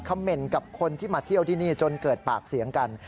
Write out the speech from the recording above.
เมนต์กับคนที่มาเที่ยวที่นี่จนเกิดปากเสียงกัน